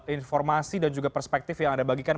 informasi dan juga perspektif yang anda bagikan